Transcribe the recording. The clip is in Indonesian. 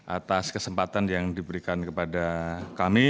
atas kesempatan yang diberikan kepada kami